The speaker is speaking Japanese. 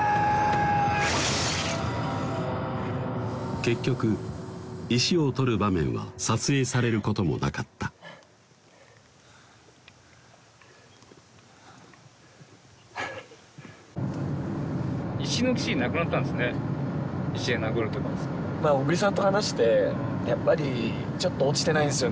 結局石を取る場面は撮影されることもなかった石で殴るところ小栗さんと話して「やっぱりちょっと落ちてないんですよね